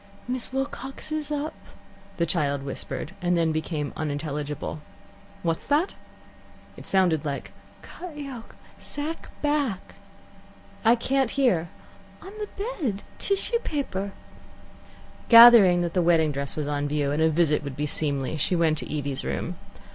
"Miss Wilcox is up " the child whispered, and then became unintelligible. "What's that?" It sounded like, " cut yoke sack back " "I can't hear." " On the bed tissue paper " Gathering that the wedding dress was on view, and that a visit would be seemly, she went to Evie's room.